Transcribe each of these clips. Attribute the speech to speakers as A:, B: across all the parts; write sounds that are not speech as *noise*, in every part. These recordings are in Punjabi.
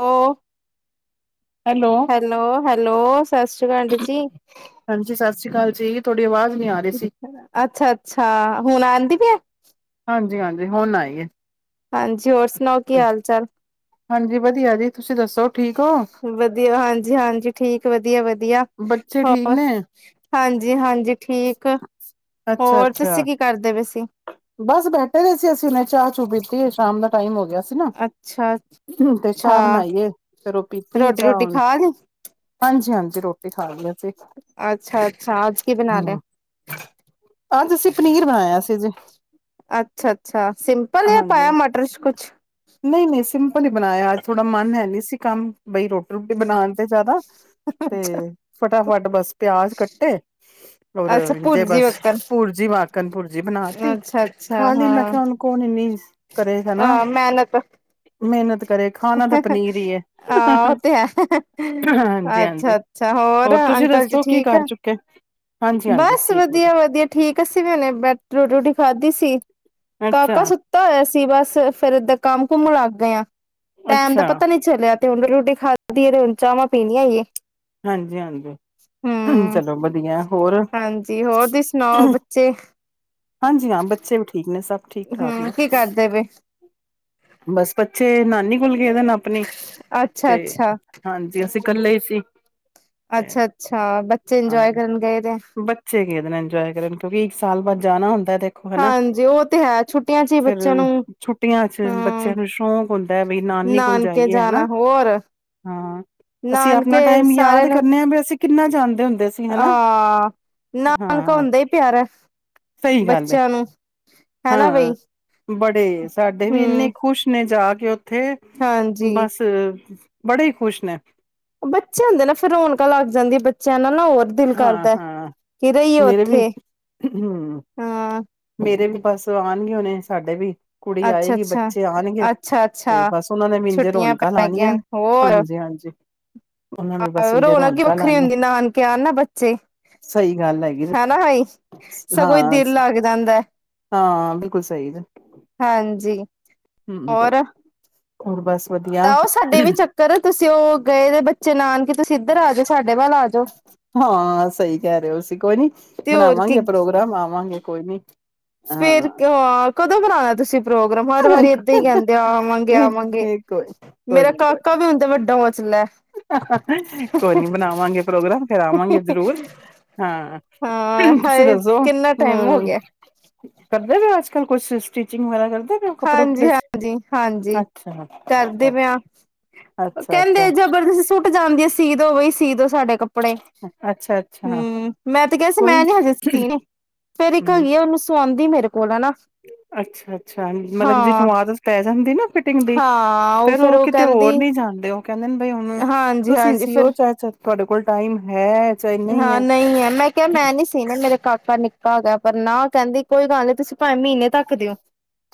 A: ਉਹ
B: ਹੈਲੋ
A: ਹੈਲੋ-ਹੈਲੋ, ਸਤਿ ਸ੍ਰੀ ਅਕਾਲ ਜੀ।
B: ਹਾਂਜੀ ਸਤਿ ਸ਼੍ਰੀ ਅਕਾਲ ਜੀ, ਤੁਹਾਡੀ ਆਵਾਜ਼ ਨਹੀਂ ਆ ਰਹੀ ਸੀ
A: ਅੱਛਾ-ਅੱਛਾ। ਹੁਣ ਆਉਂਦੀ ਪਈ ਐ?
B: ਹਾਂਜੀ-ਹਾਂਜੀ, ਹੁਣ ਆਈ ਐ।
A: ਹਾਂਜੀ, ਹੋਰ ਸੁਣਾਓ ਕੀ ਹਾਲ-ਚਾਲ?
B: ਹਾਂਜੀ ਵਧੀਆ ਜੀ, ਤੁਸੀਂ ਦੱਸੋ? ਠੀਕ ਹੋ
A: ਵਧੀਆ, ਹਾਂਜੀ-ਹਾਂਜੀ, ਠੀਕ ਵਧੀਆ-ਵਧੀਆ। *unintelligible*
B: ਬੱਚੇ ਠੀਕ
A: ਹੋਰ
B: ਨੇ
A: ਹਾਂਜੀ-ਹਾਂਜੀ, ਠੀਕ।
B: ਅੱਛਾ
A: ਹੋਰ
B: ਅੱਛਾ
A: ਤੁਸੀਂ ਕੀ ਕਰਦੇ ਪਏ ਸੀ?
B: ਬਸ ਬੈਠੇ ਹੋਏ ਸੀ ਅਸੀਂ। ਹੁਣੇ ਚਾਹ ਚੂ ਪੀਤੀ ਐ, ਸ਼ਾਮ ਦਾ ਟਾਈਮ ਹੋ ਗਿਆ। ਸੀ ਨਾ
A: ਅੱਛਾ
B: ਤੇ
A: ਅੱਛਾ
B: ਚਾਹ ਬਣਾਈ ਐ, ਫਿਰ ਉਹ ਪੀਤੀ ਐ,
A: ਰੋਟੀ
B: ਚਾਹ
A: ਰੂਟੀ
B: ਹੁਣ।
A: ਖਾ ਲਈ
B: ਹਾਂਜੀ-ਹਾਂਜੀ। ਜੀ ਰੋਟੀ ਖਾ ਲਈ ਅਸੀਂ
A: ਅੱਛਾ
B: ਤੇ
A: ਅੱਛਾ ਅੱਜ ਕੀ ਬਣਾ ਲਿਆ।
B: ਹੂੰ, ਅੱਜ ਅਸੀਂ ਪਨੀਰ ਬਣਾਇਆ ਸੀ ਜੀ।
A: ਅੱਛਾ-ਅੱਛਾ, ਸਿੰਪਲ ਜਾਂ
B: ਹਾਂਜੀ
A: ਪਾਇਆ ਮਟਰ ਚ ਕੁਛ?
B: ਨਹੀਂ ਨਹੀਂ ਸਿੰਪਲ ਹੀ ਬਣਾਇਆ। ਅੱਜ ਥੋੜਾ ਮਨ ਹੈ ਨਹੀਂ ਸੀ ਕੰਮ, ਬਈ ਰੋਟੀ ਰੋਟੀ ਬਣਾਉਣ ਤੇ ਜ਼ਿਆਦਾ ਤੇ ਫ ਫਟਾ ਫੱਟ ਬਸ ਪਿਆਜ ਕੱਟੇ। ਹੋਰ
A: ਅੱਛਾ
B: ਜੇ
A: ਭੁਰਜੀ
B: ਬੱਸ
A: ਵਕਣ
B: ਭੁਰਜੀ ਮ ਕਨਪੁਰ। ਜੀ ਬਣਾਤੀ?
A: ਅੱਛਾ
B: ਖਾਲੀ ਮੈਂ ਕਿਹਾ ਉਹਨੂੰ ਕੌਣ ਇਨੀ
A: ਆਹ ਮੇਹਨਤ
B: ਮੇਹਨਤ
A: ਆਹ ਉਹ ਤੇ ਹੈ
B: ਹਾਂਜੀ ਹਾਂਜੀ
A: ਅੱਛਾ ਅੱਛਾ ਹੋਰ
B: ਤੁਸੀਂ
A: ਅੰਕਲ ਜੀ
B: ਦੱਸੋ ਕੀ
A: ਠੀਕ
B: ਕਰ ਚੁੱਕੇ ਹਾਂਜੀ ਹਾਂਜੀ
A: ਬਸ
B: ਠੀਕ
A: ਵਧੀਆ ਵਧੀਆ ਠੀਕ ਅਸੀਂ ਵੀ ਹੂਣੇ ਬੈਠੇ ਰੋਟੀ ਰੋਟੀ ਖਾਧੀ ਸੀ ਕਾਕਾ
B: ਅੱਛਾ
A: ਸੁੱਤਾ ਹੋਇਆ ਸੀ ਬਸ ਫੇਰ ਏਦਾਂ ਕੰਮ ਕੁਮ ਲੱਗ ਗਏ ਆਾਂ ਟਾਈਮ ਦਾ
B: ਅੱਛਾ
A: ਪਤਾ ਨਹੀਂ ਚਲਿਆ ਤੇ ਹੁਣ ਰੋਟੀ ਖਾਧਦੀ ਹੈ ਤੇ ਹੁਣ ਚਾਵਾਂ ਪੀਣੀ ਹੈਗੀ ਐ
B: ਹਾਂਜੀ ਹਾਂਜੀ ਚਲੋ ਵਧੀਆ ਹੋਰ
A: ਹਾਂਜੀ ਹੋਰ ਤੁਸੀ ਸੁਣਾਓ ਬੱਚੇ
B: ਹਾਂਜੀ ਬੱਚੇ ਵੀ ਠੀਕ ਠੀਕ ਨੇ, ਸਭ ਠੀਕ ਠਾਕ
A: ਹੂੰ
B: ਨੇ
A: ਕੀ ਕਰਦੇ ਪਏ
B: ਬਸ ਬੱਚੇ ਨਾਨੀ ਸਕੁਲ ਗਏ ਦੇ ਨੇ ਆਪਣੀ
A: ਅੱਛਾ
B: ਤੇ
A: ਅੱਛਾ
B: ਹਾਂਜੀ ਅਸੀਂ ਇਕੱਲੇ ਸੀ ਤੇ
A: ਅੱਛਾ ਅੱਛਾ ਬੱਚੇ ਇੰਜੋਏ
B: ਹਾਂਜੀ,
A: ਕਰਨ ਗਏ ਦੇ
B: ਬੱਚੇ ਗਏ ਦੇ ਨੇ ਇੰਜੋਏ ਕਰਨ ਕਿਉਂਕਿ ਸਾਲ ਬਾਅਦ ਜਾਣਾ ਹੁੰਦਾ ਹੈ ਦੇਖੋ ਹਨਾ
A: ਹਾਂਜੀ ਉਹ ਤੇ ਹੈ, ਛੁੱਟੀਆਂ ਚ ਹੀ
B: ਫਿਰ
A: ਬੱਚਿਆਂ ਨੂੰ,
B: ਛੁੱਟੀਆਂ ਚ
A: ਹਾਂ
B: ਬੱਚਿਆਂ ਨੂੰ ਸ਼ੌਂਕ ਹੁੰਦਾ ਹੈ, ਬਈ ਨਾਨੀ ਕੋਲ ਜਾਈਏ ਹੈਨਾ,
A: ਜਾਣਾ ਹੋਰ
B: ਹਾਂ ਅਸੀਂ ਆਪਣਾ
A: ਨਾਨਕੇ
B: ਟਾਈਮ
A: ਸਾਰਿਆਂ
B: ਯਾਦ
A: ਨੂੰ
B: ਕਰਨੇ ਆਂ ਬਈ ਅਸੀਂ ਕਿੰਨਾ ਜਾਂਦੇ ਹੁੰਦੇ ਸੀ ਹਨਾ
A: ਹਾਂ ਨਾਨਕਾ
B: ਹਾਂ
A: ਹੁੰਦਾ ਹੀ ਪਿਆਰਾ
B: ਸਹੀ ਗੱਲ ਹੈ
A: ਬੱਚਿਆਂ ਨੂੰ ਹੈਨਾ ਬਈ
B: ਹਾਂ ਬੜੇ ਸਾਡੇ
A: ਹੂ
B: ਵੀ ਇੰਨੇ ਖੁਸ਼ ਨੇ ਜਾ ਕੇ ਉੱਥੇ ਉੱਥੇ ਬਸ ਬੜੇ ਹੀ ਖ਼ੁਸ਼ ਨੇ
A: ਬੱਚੇ ਹੁੰਦੇ ਨਾ ਫਿਰ ਰੁਣਕਾ ਲੱਗ ਜਾਂਦੀ ਬੱਚਿਆਂ ਨਾਲ ਨਾ ਹੋਰ ਦਿਲ
B: ਹਾਂ
A: ਕਰਦਾ
B: ਹਾਂ
A: ਕਿ ਰਹੀਏ
B: ਮੇਰੇ ਵੀ
A: ਉੱਥੇ ਹਾਂ
B: ਤੇਰੇ ਵੀ ਬਸ ਆਉਣਗੇ ਹੁਣੇ, ਸਾਡੇ ਵੀ ਕੁੜੀ ਆਏਗੀ,
A: ਅੱਛਾ-ਅੱਛਾ
B: ਬੱਚੇ ਆਉਣਗੇ, ਤੇ
A: ਅੱਛਾ-ਅੱਛਾ
B: ਬਸ ਉਹਨਾਂ ਨੇ ਇੰਝੇ
A: ਛੁੱਟੀਆਂ
B: ਰੌਣਕਾਂ
A: ਪੈ
B: ਲਉਣੀਆਂ
A: ਗਈਆਂ ਹੋਰ
B: ਹਾਂਜੀ ਹਾਂਜੀ ਉਹਨਾਂ ਨੇ ਬਸ ਇੰਝੇ
A: ਰੌਣਕ ਈ
B: ਰੌਣਕਾਂ
A: ਵੱਖਰੀ
B: ਲਾਣੀਆਂ
A: ਹੁੰਦੀ ਨਾਨਕੇ ਆਣ ਨਾ ਬੱਚੇ
B: ਸਹੀ ਗੱਲ ਹੈਗੀ
A: ਹਨਾਾਈ ਸਗੋਂ ਹੀ
B: ਹਾਂ
A: ਦਿਲ ਲੱਗ ਜਾਂਦਾ
B: ਹਾਂ ਬਿਲਕੁਲ ਸਹੀ ਐ।
A: ਹਾਂਜੀ
B: ਹਮ ਹੋਰ ਬਸ ਵਧੀਆ
A: ਤਾਂ ਉਹ ਸਾਡੇ ਵੀ ਚੱਕਰ ਤੁਸੀਂ ਉਹ ਗਏ ਦੇ ਬੱਚੇ ਨਾਨਕੇ ਤੁਸੀਂ ਇੱਧਰ ਆ ਜਾਓ ਸਾਡੇ ਵੱਲ ਆ ਜਾਓ
B: ਹਾਂ, ਸਹੀ ਕਹਿ ਰਹੇ ਹੋ ਅਸੀ ਕੋਈ ਨੀ
A: ਤੇ
B: ਬਣਾਵਾਂਗੇ ਪ੍ਰੋਗਰਾਮ ਆ ਆਵਾਂਗੇ ਕੋਈ ਨੀਂ
A: ਫਿਰ ਅਹ ਕਦੋਂ ਬਣਾਉਣਾ ਤੁਸੀਂ ਪ੍ਰੋ ਹਰ ਵਾਰੀ ਏਦਾਂ ਹੀ
B: ਕੋਈ
A: ਕਹਿੰਦੇ ਆਵਾਂਗੇ, ਆਵਾਂਗੇ।
B: ਕੋਈ ਨੀ ਕੋਈ
A: ਮੇਰਾ
B: ਨੀ
A: ਕਾਕਾ ਵੀ ਹੁੰਦਾ ਵੱਡਾ ਹੋ *unintelligible*
B: ਕੋਈ ਨੀ ਬਣਾਵਾਂਗੇ ਪ੍ਰੋਗਰਾਮ ਫਿਰ ਆਵਾਂਗੇ ਜ਼ਰੂਰ, ਹਾਂ
A: ਹਾਂ
B: ਤੁਸੀਂ
A: ਹਾਏ
B: ਦੱਸੋ
A: ਕਿੰਨਾ ਟਾਈਮ ਹੋ
B: ਅਮ
A: ਗਿਆ
B: ਕਰਦੇ ਪੇ ਅੱਜ-ਕੱਲ ਕੁਛ ਸਟੀਚਿੰਗ ਵਗੈਰਾ ਕਰਦੇ ਪਏ ਹੋ ਕੱਪੜੇ
A: ਹਾਂਜੀ
B: ਕੁਪੜੇ
A: ਹਾਂਜੀ ਹਾਂਜੀ।
B: ਅੱਛਾ
A: ਕਰਦੇ ਪੇਆਂ
B: ਅੱਛਾ ਅੱਛਾ
A: ਕਹਿੰਦੇ ਜਬਰਦਸਤੀ ਟੱਟ ਜਾਂਦੀ ਐ, ਸੀਦੋ ਵਈ ਸੀਦੋ ਸਾਡੇ ਕੱਪ ਕੱਪੜੇ
B: ਅੱਛਾ ਅੱਛਾ
A: ਹਂ ਮੈਂ ਤੇ ਕਿਹਾ ਸੀ,
B: ਕੋਈ
A: ਮੈਂ ਨੀਂ ਹਜੇ ਸੀਣੇ ਫੇਰ ਇੱਕ
B: ਹਮ
A: ਹੈਗੀ ਆ, ਉਹਨੂੰ ਸੁਆਂਦੀ ਮੇਰੇ ਕੋ ਰੇ ਕੋਲ ਐ ਨਾ
B: ਅੱਛਾ ਅੱਛਾ ਮਤਲਬ ਜਿਸਨੂੰ ਆਦਤ ਪੈ ਜਾਂਦੀ ਨਾ ਫਿਟਿੰਗ ਦੀ ਫੇਰ ਉਹ ਕਿਤੇ ਹੋਰ ਨੀ ਜਾਂਦੇ ਉਹ ਕਹਿੰਦੇ ਨੇ ਬਈ ਹੁਣ
A: ਹਾਂਜੀ
B: ਤੁਸੀਂ
A: ਹਾਂਜੀ ਫਿਰ
B: ਸੀਓ ਚਾਹੇ ਤੁਹਾਡੇ ਕੋਲ ਟਾਈਮ ਹੈ ਚਾਹੇ
A: ਹਾਂ
B: ਹੈ
A: ਨਹੀਂ ਐ, ਮੈਂ ਕਿਹਾ ਮੈਂ ਨੀਂ ਸੀਨੇ ਮੇਰੇ ਕਾਕਾ ਨਿੱਕਾ ਹੈਗਾ, ਪਰ ਨਾ ਕਹਿੰਦੀ ਕੋਈ ਗੱਲ ਨਹੀਂ ਤੁਸੀਂ ਭਾਵੇਂ ਮਹੀਨੇ ਤੱਕ ਦਿਓ।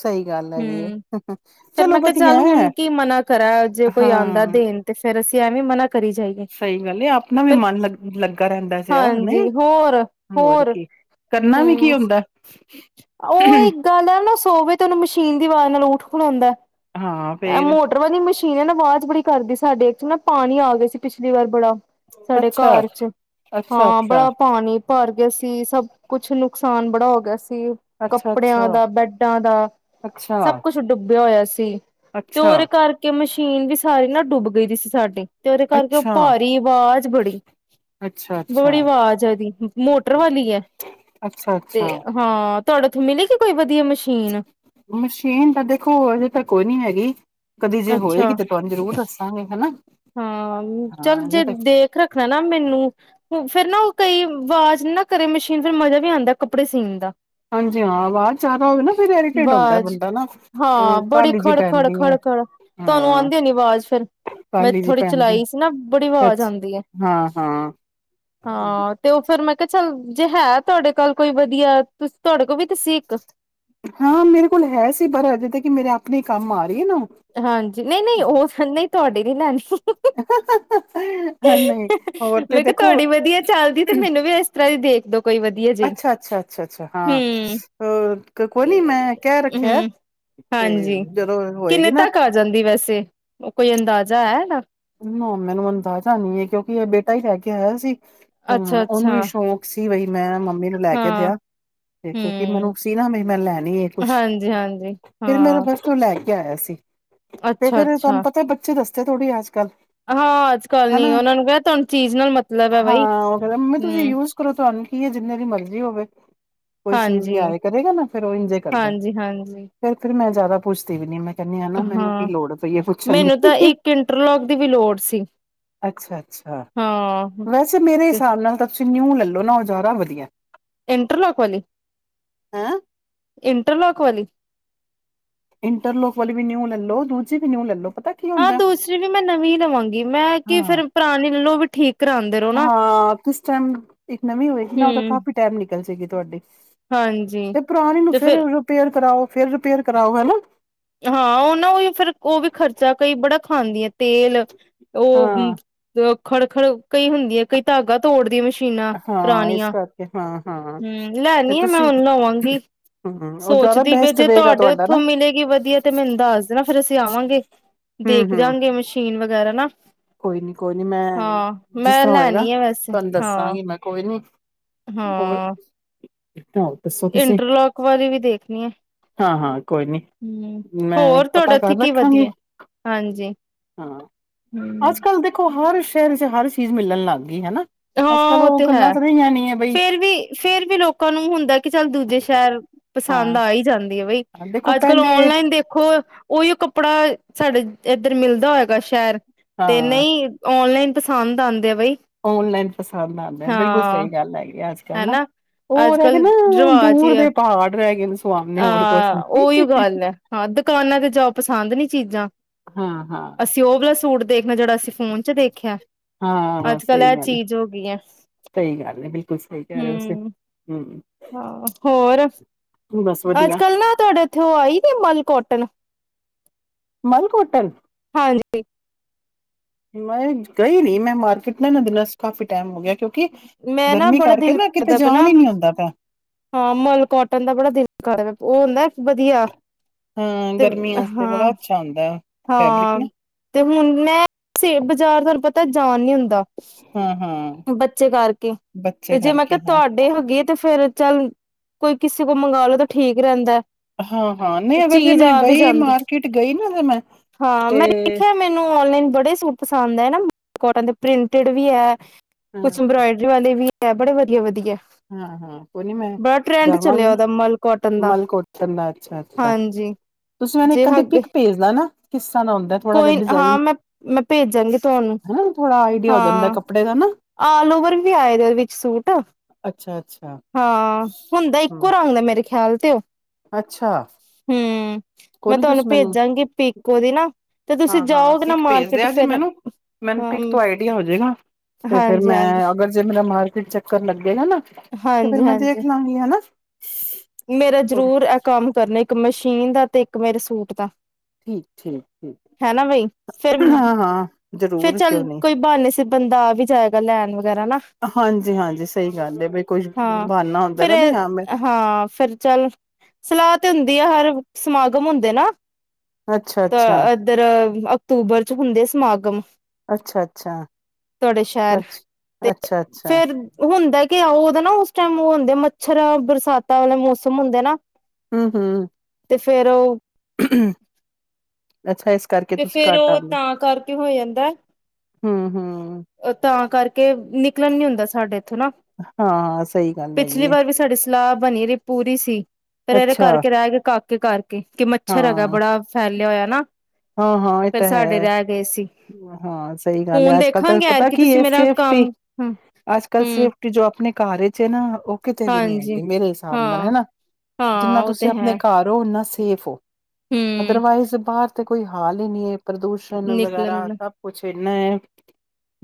B: ਸਹੀ ਗੱਲ ਹੈਗੀ
A: ਹਂ,
B: ਹੈ
A: ਫਿਰ
B: ਚਲੋ
A: ਮੈਂ ਕਿਹਾ
B: ਵਧੀਆ
A: ਚੱਲ
B: ਹੈ।
A: ਹੁਣ ਕੀ ਮਨਾਂ ਕਰਾਂ, ਜੇ ਕੋਈ ਆਂਦਾ
B: ਹਾਂ
A: ਦੇਣ ਤੇ ਫੇਰ ਅਸੀਂ ਤੇ ਐਵੇਂ ਮਨਾ ਕਰੀ ਜਾਈਏ।
B: ਸਹੀ ਗੱਲ ਏ, ਆਪਣਾ ਵੀ
A: ਫਿਰ
B: ਮਨ ਲੱ ਲੱ ਗਾ ਰਹਿੰਦਾ ਸੀ ਆਹ ਨਹੀਂ
A: ਹਾਂਜੀ ਹੋਰ
B: ਹੋਰ ਕੀ ਕਰਨਾ ਵੀ ਕੀ
A: ਹੂੰ।
B: ਹੁੰਦਾ!
A: ਉਹ ਇੱਕ ਗੱਲ ਆ ਨਾ ਸੋਵੇ ਤੇ ਉਹਨੂੰ ਮਸ਼ੀਨ ਦੀ ਆਵਾਜ਼ ਨਾਲ ਉੱਠ ਹੂੰਦਾ ਏ
B: ਹਾਂ
A: ਐ
B: ਫੇਰ
A: ਮੋਟਰ ਵਾਲੀ ਮਸ਼ੀ ਠੀਕ ਐ ਨਾ ਆਵਾਜ਼ ਬੜੀ ਕਰਦੀ ਸਾਡੇ ਚ ਨਾ ਪਾਣੀ ਆ ਗਿਆ ਸੀ ਪਿਛਲੀ ਵਾਰ ਬੜਾ ਸਾਡੇ
B: ਅੱਛਾ
A: ਘਰ ਚ,
B: ਅੱਛਾ
A: ਹਾਂ
B: ਅੱਛਾ
A: ਬੜਾ ਪਾਣੀ ਭਰ ਗੇਸੀ ਸਭ ਕੁਛ ਨੁਕਸਾਨ ਬੜਾ ਹੋ ਗਿਆ ਸੀ
B: ਅੱਛਾ
A: ਕੱਪੜਿਆਂ
B: ਅੱਛਾ
A: ਦਾ, ਬੈਡਾਂ ਦਾ ਸਭ
B: ਅੱਛਾ
A: ਕੁਛ ਡੁੱਬਿਆ ਹੋਇਆ ਸੀ। ਸੀ ਤੇ
B: ਅੱਛਾ
A: ਉਹਦੇ ਕਰਕੇ ਮਸ਼ ਟੀਨ ਵੀ ਸਾਰੀ ਨਾ ਡੁੱਬ ਗਈ ਦੀ ਸੀ ਸਾਡੀ। ਤੇ ਉਹਦੇ ਕਰਕੇ ਉਹ
B: ਅੱਛਾ
A: ਭਾਰੀ ਵਾਜ਼ ਬੜੀ,
B: ਅੱਛਾ ਅੱਛਾ
A: ਬੜੀ ਆਵਾਜ਼ ਐ ਇਹਦੀ। ਮੋਟਰ ਵਾਲੀ ਐ, ਤੇ
B: ਅੱਛਾ-ਅੱਛਾ
A: ਹਾਂ, ਤੁਹਾਡੇ ਉਥੇ ਮਿਲੇਗੀ ਕੋਈ ਵਧੀਆ ਮ
B: ਮਸ਼ੀਨ ਤਾਂ ਦੇਖੋ ਅਜੇ ਤਾਂ ਕੋਈ ਨਹੀ ਹੈਗੀ। ਕਦੀ ਜੇ
A: ਅੱਛਾ
B: ਹੋਏਗੀ ਤੇ ਤੁਹਾਨੂੰ ਜ਼ਰੂਰ ਦੱਸਾਂਗੇ, ਹਨਾ।
A: ਹਾਂ, ਚੱਲ
B: ਹਾਂ ਅਜੇ
A: ਜੇ
B: ਤੱਕ
A: ਦੇਖ ਰੱਖਣਾ ਨਾ ਮੈਨੂੰ ਫੇਰ ਨਾ ਉਹ ਕਈ ਆਵਾਜ਼ ਨਾ ਕਰੇ ਮਸ਼ੀਨ ਫੇਰ ਮਜ਼ਾ ਵੀ ਆਉਂਦਾ ਕੱਪੜੇ ਸੀਣ ਦਾ।
B: ਹਾਂਜੀ ਹਾਂ ਵਾਜ ਜ਼ਿਆਦਾ ਹੋਵੇ ਨਾ ਫਿਰ ਏਰੀਟੇਟ ਹੁੰਦਾ ਏ
A: ਆਵਾਜ਼
B: ਬੰਦਾ ਨਾ,
A: ਹਾਂ
B: ਅ
A: ਬੜੀ
B: ਕਾਲੀ ਜਿਹੀ
A: ਖੜ ਖੜ
B: ਪੈਂਦੀ ਐ,
A: ਖੜ ਖੜ ਤੁਹਾਨੂੰ
B: ਹਾਂ।
A: ਆਉਂਦੀ ਨੀ ਆਵਾਜ਼ ਫਿਰ ਮੈਂ
B: ਕਾਹਲੀ ਜੀ
A: ਥੋੜ੍ਹੀ
B: ਪੈਂਦੀ
A: ਚਲਾਈ ਸੀ ਨਾ ਬੜੀ ਆਵਾਜ਼
B: ਅੱਛਾ
A: ਆਉਂਦੀ ਐ,
B: ਹਾਂ-ਹਾਂ
A: ਹਾਂ ਤੇ ਉਹ ਫੇਰ ਮੈਂ ਕਿ ਚੱਲ ਜੇ ਹੈ, ਤੁਹਾਡੇ ਕੋਲ ਕੋਈ ਵਧੀਆ ਤੁ ਤੁਹਾਡੇ ਕੋਲ ਵੀ ਤੇ ਸੀ ਇੱਕ।
B: ਹਾਂ ਮੇਰੇ ਕੋਲ ਹੈ ਸੀ ਪਰ ਅਜੇ ਤੇ ਕਿ ਮੇਰੇ ਆਪਣੇ ਕੰਮ ਆ ਰਹੀ ਹੈ ਨਾ
A: ਹਾਂਜੀ, ਨਹੀਂ ਨਹੀਂ ਉਹ ਫੇਰ ਨਹੀਂ। ਤੁਹਾਡੀ ਨਹੀਂ ਲੈਣੀ।
B: ਹ ਹ ਹ ਨਹੀਂ, ਹੋਰ ਤੇ
A: ਮੈਂ ਕਿਹਾ
B: ਦੇਖੋ।
A: ਤੁਹਾਡੀ ਵਧੀਆ ਚੱਲਦੀ ਤੇ ਮੈਨੂੰ ਵੀ ਇਸ ਤਰ੍ਹਾਂ ਦੀ ਦੇਖ ਦੋ ਕੋਈ ਵਧੀਆ ਜਿਹੀ
B: ਅੱਛਾ ਅੱਛਾ ਅੱਛਾ ਅੱਛਾ ਹਾਂ।
A: ਹਮ
B: ਕੋਈ ਨੀ ਮੈਂ ਕਹਿ ਰੱਖਿਆ ਐ,
A: ਹਮ
B: ਤੇ
A: ਹਾਂਜੀ
B: ਜਦੋਂ ਹੋਏਗੀ ਨਾ।
A: ਉਹ ਕੋਈ ਅੰਦਾਜ਼ਾ ਹੈ ਇਹਦਾ?
B: ਨਾ ਮੈਨੂੰ ਅੰਦਾਜ਼ਾ ਨਹੀਂ ਹੈ, ਕਿਉਂਕਿ ਇਹ ਬੇਟਾ ਹੀ ਲੈ ਕੇ ਆਇਆ ਸੀ।
A: ਅੱਛਾ
B: ਹਾਂ, ਉਹਨੂੰ ਈ
A: ਅੱਛਾ
B: ਸ਼ੌਕ ਸੀ ਬਈ ਮੈਂ ਮੰਮੀ ਨੂੰ ਲੈ ਕੇ
A: ਹਾਂ
B: ਦਿਆ ਤੇ ਕਿਉਂਕਿ
A: ਹਮ
B: ਮੈਨੂੰ ਸੀ ਨਾ ਬਈ ਮੈਂ ਲੈਣੀ ਇਹ ਕੁਛ
A: ਹਾਂਜੀ ਹਾਂਜੀ
B: ਫਿਰ
A: ਹਾਂ
B: ਮੇਰੇ ਵਾਸਤੇ ਉਹ ਲੈ ਕੇ ਆਇਆ ਸੀ। ਤੇ ਫੇਰ ਤੁਹਾਨੂੰ
A: ਅੱਛਾ-ਅੱਛਾ,
B: ਪਤਾ ਬੱਚੇ ਦੱਸ ਥੋੜੀ
A: ਹਾਂ ਅੱਜ-ਕੱਲ
B: ਹੈਨਾ,
A: ਨੀ ਉਹਨਾਂ ਨੂੰ ਕਿਹਾ ਤੁਹਾਨੂੰ ਚੀਜ਼ ਨਾਲ ਮਤਲਬ ਐ ਬਈ।
B: ਹਾਂ ਉਹ ਕਹਿੰਦਾ ਮੰਮੀ ਤੁਸੀਂ
A: ਹੂੰ,
B: ਯੂਜ ਕਰੋ। ਤੁਹਾਨੂੰ ਕੀ ਐ ਜਿੰਨੇ ਦੀ ਮਰਜ਼ੀ ਹੋਵੇ। ਕੋਈ ਚੀਜ਼
A: ਹਾਂਜੀ,
B: ਲਿਆਏ ਕਰੇਗਾ ਨਾ ਫਿਰ ਉਹ ਇੰਝ ਕਰਦਾ
A: ਹਾਂਜੀ-ਹਾਂਜੀ।
B: ਐ। ਫਿਰ ਮੈਂ ਜ਼ਿਆਦਾ ਪੁੱਛਦੀ ਵੀ ਨਹੀਂ ਮੈਂ। ਕਹਿੰਦੇ ਆ ਨਾ ਮੈਨੂੰ ਕੀ
A: ਹਾਂ,
B: ਲੋੜ ਪਈ ਐ ਪੁੱਛਣ ਦੀ।
A: ਮੈਨੂੰ ਤਾਂ ਇੱਕ ਇੰਟਰਲੋਕ ਦੀ ਵੀ ਲੋੜ ਸੀ,
B: ਅੱਛਾ-ਅੱਛਾ,
A: ਹਾਂ।
B: ਵੈਸੇ ਮੇਰੇ ਹਿਸਾਬ ਨਾਲ ਤਾਂ ਤੁਸੀਂ ਨਿਊ ਲੈ ਨਾ ਹੋਜ਼ਾਰਾ ਵਧੀਆ ਐ।
A: ਇੰਟਰਲੋਕ ਵਾਲੀ,
B: ਹੈਂ।
A: ਇੰਟਰਲੋਕ ਵਾਲੀ?
B: ਇੰਟਰਲੋਕ ਵਾਲੀ ਵੀ ਨਿਊ ਲੈ ਲੋ। ਦੂਜੀ ਵੀ ਨਿਊ ਲੈ ਲੋ। ਪਤਾ ਕੀ
A: ਹਾਂ,
B: ਹੁੰਦਾ
A: ਦੂਸਰੀ ਵੀ ਮੈਂ ਨਵੀਂ ਲਵਾਂਗੀ। ਮੈਂ ਕਿ
B: ਹਾਂ।
A: ਫੇਿਰ ਪੁਰਾਣੀ ਨੂ ਵੀ ਠੀਕ ਕਰਾਉਂਦੇ ਰਹੋ ਨਾ
B: ਹਾਂ ਕਿਸ ਟਾਈਮ
A: ਹਮ
B: ਨਲ ਸੀਗੀ ਤੁਹਾਡੀ ਤੇ ਪੁਰਾਣੀ ਨੂੰ
A: ਤੇ
B: ਫੇਿਰ
A: ਫੇਰ
B: ਰਿਪੇਅਰ ਕਰਾਓ ਫੇਿਰ ਰਿਪੇਅਰ ਕਰਾਓ ਹਨਾ
A: ਹਾਂ ਖਾਂਦੀਆਂ ਤੇਲ ਉਹ
B: ਹਾਂ
A: ਖੜ ਖੜ ਕਈ ਹੁੰਦੀ ਹੈ ਕਈ ਧਾਗਾ ਤੋੜਦੀਆਂ ਮ ਮਸ਼ੀਨਾਂ
B: ਹਾਂ ਇਸ
A: ਪੁਰਾਣੀਆਂ
B: ਕਰਕੇ ਹਾਂ ਹਾਂ
A: ਹਮ
B: ਤੇ
A: ਲੈਣੀ ਆ ਮੈਂ
B: ਤੁਸੀਂ
A: ਹੁਣ ਲਵਾਂਗੀ
B: ਹੂੰ ਉਹ ਜ਼ਿਆਦਾ
A: ਸੋਚਦੀ ਵੀ
B: ਬੈਸਟ
A: ਜੇ
B: ਰਹੇਗਾ
A: ਤੁਹਾਡੇ
B: ਤੁਹਾਡਾ
A: ਉੱਥੋਂ
B: ਨਾ
A: ਮਿਲੇਗੀ ਵਧੀਆ ਮੈਨੂੰ ਦੱਸ ਦੇਣਾ ਫੇਰ ਅਸੀਂ ਆਵਾਂਗੇ
B: ਹੂੰ
A: ਦੇਖ
B: ਹੂੰ
A: ਜਾਂਗੇ ਮਸ਼ੀਨ ਵਗੈਰਾ ਨਾ
B: ਕੋਈ ਨੀ ਕੋਈ ਨੀ ਮੈਂ
A: ਹਾਂ
B: ਜਿਸ
A: ਮੈਂ
B: ਤਰ੍ਹਾਂ ਹੋਏਗਾ
A: ਲੈਣੀ ਆ ਵੈਸੇ
B: ਤੁਹਾਨੂੰ
A: ਹਾਂ।
B: ਦੱਸਾਂਗੀ ਮੈਂ ਕੋਈ ਨੀ ਹੋਰ
A: ਹਾਂ
B: ਹੋਰ ਦੱਸੋ ਤੁਸੀਂ
A: ਇੰਟਰਲੋਕ ਵਾਲੀ ਵੀ ਦੇਖਣੀ ਹੈ
B: ਹਾਂ ਹਾਂ ਕੋਈ ਨੀ
A: ਹਮ
B: ਮੈਂ
A: ਹੋਰ
B: ਪਤਾ
A: ਤੁਹਾਡਾ ਇੱਥੇ
B: ਕਰ
A: ਕੀ
B: ਰੱਖਾਂਗੀ
A: ਵਧੀਆ ਹਾਂਜੀ
B: ਹਾਂ
A: ਹ
B: ਅੱਜ ਕੱਲ੍ਹ ਦੇਖੋ ਹਰ ਸ਼ਹਿਰ ਚ ਹਰ ਚੀਜ਼ ਮਿਲਣ ਲੱਗ ਗਈ ਹਨਾ।
A: ਹਾਂ
B: ਅੱਜ ਕੱਲ੍ਹ
A: ਉਹ ਤੇ
B: ਗੱਲਾਂ
A: ਹੈ
B: ਤਾਂ ਰਹੀਆਂ ਨੀ ਹੈ ਬਈ
A: ਫੇਰ ਵੀ ਫੇਰ ਵੀ ਲੋਕਾਂ ਨੂੰ ਹੁੰਦਾ ਕਿ ਚੱਲ ਦੂਜੇ ਸ਼ਹਿਰ ਪਸੰਦ
B: ਹਾਂ
A: ਆ ਹੀ ਜਾਂਦੀ ਹੈ ਬ
B: ਦੇਖੋ
A: ਅੱਜ ਕੱਲ
B: ਪਹਿਲੇ
A: ਔਨਲਾਈਨ ਦੇਖੋ ਉਹੀ ਕੱ ਕੱਪੜਾ ਸਾਡੇ ਇੱਧਰ ਮਿਲਦਾ ਹੋਏਗਾ ਸ਼ਹਿਰ ਤੇ
B: ਹਾਂ
A: ਨਹੀਂ ਔਨਲਾਈਨ ਪਸੰਦ ਆਉਂਦੇ ਆ ਬਈ
B: ਔਨਲਾਈਨ ਪਸੰਦ ਆਉਂਦਾ ਬਿਲਕੁਲ
A: ਹਾਂ
B: ਸਹੀ ਗੱਲ ਹੈਗੀ ਆ ਅੱਜੱਲ
A: ਹਨਾ
B: ਉਹ
A: ਅੱਜ
B: ਰ ਕੇ
A: ਕੱਲ
B: ਨਾ ਦੂਰ ਦੇ ਪਹਾੜ ਰੇਗ ਯੂਜ਼
A: ਹਾਂ ਉਹੀ ਗੱਲ ਹੈ ਹਾਂ ਦੁਕਾਨਾਂ ਤੇ ਜਾਓ ਪਸੰਦ ਨੀ ਚੀਜ਼ਾਂ
B: ਹਾਂ ਹਾਂ।
A: ਅਸੀਂ ਉਹ ਵਾਲਅ ਸੂਟ ਦੇਖਣਾ ਜਿੜਾ ਅਸੀ
B: ਹਾਂ ਸਹੀ
A: ਇਹ
B: ਗੱਲ
A: ਚੀਜ਼ ਹੋ ਗਈ ਹੈ
B: ਸਹੀ ਗੱਲ ਹੈ ਬਿਲਕੁਲ ਸਹੀ ਕਹਿ ਰਹੇ ਹੋ ਤੁਸੀ
A: ਹਮ
B: ਹਮ
A: ਹਾਂ ਹੋਰ
B: ਬਸ
A: ਅੱਜ
B: ਵਧੀਆ
A: ਕੱਲ੍ਹ ਨਾ ਤੁਹਾਡੇ ਇੱਥੇ ਉਹ ਆਈ ਨ ਮਲ ਕੋਟਨ ਵ
B: ਮਲਕੋਟਨ
A: ਠੀ
B: ਮੈਂ ਗਈ ਨੀ ਮੈਂ ਮਾਰਕੀਟ ਮੈ ਇਨਾ ਦਿਨਾਂ ਚ ਕਾਫ਼ੀ ਟਾਈਮ ਹੋ ਗਿਆ ਕਿਉਂਕ
A: ਮੈਂ ਨਾ ਬੜਾ ਦਿਲ ਕਰਦਾ ਪਿਆ
B: ਜਾਣ
A: ਨਾ
B: ਹੀ ਨੀ ਹੁੰਦਾ ਪਿਆ।
A: ਹਾਂ ਮਲਕੋਟਨ ਦਾ ਬੜਾ ਦਿਲ ਕਰਦਾ ਉਹ ਹੁੰਦਾ, ਵਧੀਆ,
B: ਹਾਂ,
A: ਤੇ
B: ਗਰਮੀ ਆਸਤੇ ਬੜਾ ਅੱਛਾ ਹੁੰਦਾ ਫੈਬਰਿਕ
A: ਹਾਂ-ਹਾਂ
B: ਨਾ
A: ਤੇ ਹੁਣ ਮੈਂ, ਬਾਜ਼ਾਰ ਤੁਹਾਨੂੰ ਪਤਾ ਜਾਨ ਨੀ ਹੁੰ ਦਾ,
B: ਹਾਂ-ਹਾਂ,
A: ਬੱਚੇ ਕਰਕੇ
B: ਬੱਚੇ
A: ਤੇ ਜੇ ਮੈਂ
B: ਕਰਕੇ
A: ਕਿਹਾ
B: ਹਾਂ।
A: ਤੁਹਾਡੇ ਹੈਗੇ ਤੇ ਫੇਰ, ਚੱਲ ਕੋਈ ਕਿਸੇ ਕੋਲ ਮੰਗਾਲੋ ਤਾਂ ਠੀਕ ਰਹਿੰਦਾ।
B: ਹਾਂ-ਹਾਂ, ਨਹੀਂ ਅਗਰ ਜੇ
A: ਚੀਜ਼
B: ਮੈਂ
A: ਆ ਵੀ
B: ਗਈ
A: ਜਾਂਦੀ
B: ਮਾਰਕੀਟ ਗਈ ਨਾ ਫੇਰ ਮੈਂ
A: ਹਾਂ
B: ਤੇ
A: ਮੈਂ ਦੇਖਿਆ ਮੈਨੂੰ ਔਨਲਾਈਨ ਬੜੇ ਸੂਟ ਪਸੰਦ ਆ ਨਾ ਕੋਟਨ ਦੇ ਪ੍ਰਿੰਟਡ ਵੀ ਹੈ।
B: ਹਾਂ,
A: ਕੁਛ ਐਮਬੋਇਡਰੀ ਵਾਲੇ, ਵੀ ਬੜੇ ਵਧੀਆ-ਵਧੀਆ,
B: ਹਾਂ-ਹਾਂ, ਕੋਈ ਨੀ ਮੈਂ ਜਾਵਾਂਗੀ,
A: ਚਲਿਆ ਉਹਦਾ ਮਲ ਕੋਟਨ ਦਾ
B: ਮਲ ਕੋਟਨ ਦਾ ਅੱਛਾ-ਅੱਛਾ,
A: ਹਾਂਜੀ
B: ਤੁਸੀਂ ਮੈਨੂੰ
A: ਜੇ
B: ਇੱਕ
A: ਹੈਗੇ
B: ਪਿਕ ਭੇਜਦਾ ਨਾ ਕਿਸ ਤਰਾ ਦਾ ਹੁੰਦਾ ਥੋੜਾ ਜਾ
A: ਕੋਈ
B: ਡਿਜਾਇਨ
A: ਹਾਂ ਮੈਂ ਮੈਂ ਭੇਜਾਂਗੀ ਤੁਹਾਨੂੰ
B: ਥੋੜਾ ਆਈਡੀਆ ਹੋ ਜਾਂਦਾ ਕੱਪੜੇ ਦਾ ਨਾ
A: ਆਹ ਲੋਵਰ ਵੀ ਆਏ ਦੇ ਵਿੱਚ ਸੂਟ,
B: ਅੱਛਾ-ਅੱਛਾ
A: ਹਾਂ ਹੁੰਦਾ,
B: ਹੂੰ,
A: ਇੱਕੋ ਰੰਗ ਦਾ ਮੇਰੇ ਖਿਆਲ। ਤੇ,
B: ਅੱਛਾ,
A: ਹੂੰ
B: ਕੋਈ
A: ਮੈਂ
B: ਨੀ
A: ਤੁਹਾਨੂੰ
B: ਤੁਸੀਂ ਮੈਨੂੰ
A: ਭੇਜਾਂਗੀ ਪਿਕ ਉਦੀ ਨਾ ਤੇ ਤੁਸੀਂ
B: ਹਾਂ-ਹਾਂ
A: ਜਾਓਗੇ, ਨਾ
B: ਪਿਕ ਭੇਜਦੇ
A: ਮਾਰਕੀਟ
B: ਆ ਜੇ
A: ਫਿਰ
B: ਮੈਨੂੰ ਮੈਨੂੰ ਪਿਕ
A: ਹਾਂ।
B: ਤੋਂ ਆਈਡੀਆ ਹੋ ਜੇਗਾ ਤੇ ਫੇਰ
A: ਹਾਂਜੀ ਹਾਂਜੀ
B: ਮੈਂ ਅਗਰ ਜੇ ਮੇਰਾ ਮਾਰਕੀਟ ਚੱਕਰ ਲੱਗੇਗਾ, ਨਾ ਤੇ ਫੇਰ
A: ਹਾਂਜੀ
B: ਮੈਂ
A: ਹਾਂਜੀ
B: ਦੇਖ ਲਾਗੀ ਹਨਾ। ਬਸ,
A: ਮੇਰਾ ਜ਼ਰੂਰ ਇਹ ਕੰਮ ਕਰਨੇ, ਇੱਕ ਮਸ਼ੀਨ ਦਾ ਤੇ ਇੱਕ ਮੇਰੇ ਸੂਟ ਦਾ।
B: ਠੀਕ-ਠੀਕ,
A: ਹਨਾ ਬਈ ਫਿਰ
B: ਹਾਂ-ਹਾਂ, ਜ਼ਰੂਰ ਕਿਉਂ ਨੀ।
A: ਤੇ ਬੰਦਾ ਆ ਵੀ ਜਾਏਗਾ ਲੈਣ। ਵਗੈਰਾ ਨਾ
B: ਹਾਂਜੀ-ਹਾਂਜੀ, ਸਹੀ ਗੱਲ ਹੈ ਬਈ ਕੁਝ
A: ਹਾਂ
B: ਬਹਾਨਾ ਹੁੰਦਾ ਨਾ ਵੀ ਹਾਂ ਮੈਂ,
A: ਫੇਰ ਚੱਲ ਸਲਾਹ ਤੇ ਹੁੰਦੀ ਆ ਹਰ ਸਮਾਗਮ ਹੁੰਦੇ ਨਾ,
B: ਅੱਛਾ
A: ਤਾਂ
B: ਅੱਛਾ
A: ਐਦਰ, ਅਕਤੂਬਰ ਚ ਹੁੰਦੇ ਸਮਾਗਮ ਤੁਹਾਡੇ ਸ਼ਹਿਰ
B: ਅੱਛਾ-ਅੱਛਾ-ਅੱਛਾ-ਅੱਛਾ-
A: ਫੇਰ ਹੁੰਦਾ
B: ਅੱਛਾ
A: ਕਿ ਉਹਦਾ ਨਾ ਉਸ ਟਾਈਮ ਉਹ ਹੁੰਦੇ ਆ ਮੱਛਰ ਬਰਸਾਤ ਤਾਂ ਉਹਨੇ ਮੌਸਮ ਹੁੰਦੇ ਨਾ।
B: ਹੂੰ ਹੂੰ।
A: ਤੇ ਫੇਰ ਉਹ
B: ਅੱਛਾ ਇਸ ਕਰਕੇ
A: ਤੇ
B: ਤੁਸੀਂ
A: ਫੇਰ
B: ਘੱਟ
A: ਉਹ ਤਾਂ ਕਰਕੇ ਹੋ ਜਾਂਦਾ।
B: ਹੂੰ, ਹੂੰ।
A: ਤਾਂ ਕਰਕੇ ਨਿਕਲਣ ਨੀ ਹੁੰਦਾ ਸਾਡੇ ਇੱਥੋਂ ਨਾ
B: ਹਾਂ, ਸਹੀ ਗੱਲ ਹੈਗੀ
A: ਪਿਛਲੀ
B: ਐ।
A: ਵਾਰ ਵੀ ਸਾਡੀ ਸਲਾਹ ਬਣੀ ਰੀ ਪੂਰੀ ਸੀ। ਫਿਰ ਇਹਦੇ
B: ਅੱਛਾ
A: ਕਰਕੇ ਰਹਿ ਗਏ ਕਾਕ ਕਿ ਘਰ ਕਿ ਮੱਛਰ ਹੈਗਾ
B: ਹਾਂ
A: ਬੜਾ ਫੈਲਿਆ ਹੋਇਆ। ਨਾ
B: ਹਾਂ ਹਾਂ, ਇਹ
A: ਫਿਰ
B: ਤਾਂ
A: ਸਾਡੇ
B: ਹੈ।
A: ਰਹਿ ਗਏ ਸੀ
B: ਹਾਂ, ਸਹੀ ਗੱਲ ਹੈ
A: ਹੁਣ
B: ਅੱਜ-ਕੱਲ-
A: ਦੇਖਾਂਗੇ ਯਾਰ
B: ਪਤਾ
A: ਕਿ
B: ਕੀ
A: ਤੁਸੀਂ
B: ਏ
A: ਮੇਰਾ
B: ਸੇਫਟੀ।
A: ਕੰਮ ਹਮ
B: ਅੱਜ ਕੱਲ
A: ਹਮ
B: ਸੇਫਟੀ ਜੋ ਆਪਣੇ ਘਰ ਚ ਏ ਨਾ ਉਹ ਕਿਤੇ ਵੀ ਨੀ
A: ਹਾਂਜੀ
B: ਹੈਗੀ ਮੇਰੇ ਹਿਸਾਬ ਨਾਲ, ਹੈ
A: ਹਾਂ
B: ਨਾ, ਜਿੰਨਾ
A: ਹਾਂ ਉਹ
B: ਤੁਸੀਂ
A: ਤੇ
B: ਆਪਣੇ
A: ਹੈ
B: ਘਰ ਉ ਓਨਾ ਸੇ ਸੇਫੋ
A: ਹਮ
B: ਅਦਰਵਾਈਜ਼ ਬਾਹਰ ਤੇ ਕੋਈ ਹਾਲ ਹੀ ਨਈ ਏ ਪ੍ਰਦੂਸ਼ਣ ਵਲੈ ਦਾ
A: ਨਿਕਲਣ
B: ਸਭ ਕੁੱਛ ਪੀਨਾ ਏ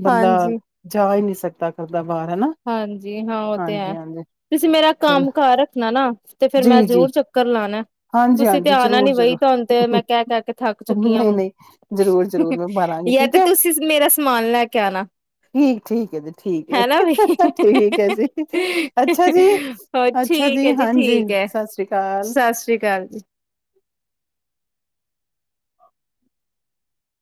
B: ਬੰਦਾ
A: ਹਾਂਜੀ।
B: ਜਾ ਹੀ ਨਹੀਂ ਸਤਾ ਕਰ।
A: ਹਾਂਜੀ ਹਾਂ, ਉਹ ਤੇ ਹੈ
B: ਹਾਂਜੀ
A: ਤੁਸੀਂ ਮੇਰਾ
B: ਚਲੋ
A: ਕੰਮ ਕਾਰ ਰੱਖਣਾ ਨਾ ਤੇ ਫੇਰ
B: ਜੀ
A: ਮੈਂ
B: ਜੀ
A: ਜ਼ਰੂਰ ਚੱਕਰ ਲਾਣਾ,
B: ਹਾਂਜੀ
A: ਤੁਸੀਂ ਤੇ
B: ਹਾਂਜੀ
A: ਆਣਾ
B: ਜ਼ਰੂਰ
A: ਨੀ ਬਈ
B: ਜ਼ਰੂਰ
A: ਤੁਹਾਨੂੰ ਤੇ ਮੈਂ ਕਹਿ ਕਹਿ ਕੇ ਥੱਕ ਚੁੱਕੀ ਹ
B: ਨਹੀਂ
A: ਹੁਣ,
B: ਨਹੀਂ ਜ਼ਰੂਰ ਜ਼ਰੂਰ ਮੈਂ ਮਾਰਾਂਗੀ
A: ਯਾ
B: ਠੀਕ
A: ਤੇ
B: ਹੈ
A: ਤੁਸੀਂ ਮੇਰਾ ਸਮਾਨ ਲੈ ਕੇ ਆਣਾ,
B: ਠੀਕ ਠੀਕ ਹੈ ਜੀ ਠੀਕ
A: ਹੈ ਨਾ ਵੀ।
B: ਠੀਕ ਹੈ ਜੀ, ਅੱਛਾ ਜੀ, ਅੱਛਾ ਜੀ ਹਾਂਜੀ।
A: ਕਹਿ
B: ਸਤਿ ਸ੍ਰੀ ਅਕਾਲ
A: ਸਸ ਰੀ ਕਾਲ